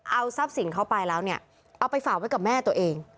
เอาทรัพย์สินเขาไปแล้วเนี่ยเอาไปฝากไว้กับแม่ตัวเอง